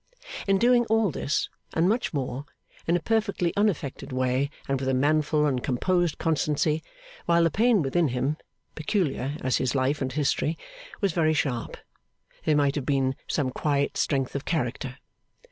In doing all this and much more, in a perfectly unaffected way and with a manful and composed constancy, while the pain within him (peculiar as his life and history) was very sharp, there might have been some quiet strength of character.